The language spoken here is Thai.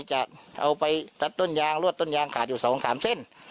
จะเอาไปรัดต้นยางรวดต้นยางขาดอยู่สองสามเซ่น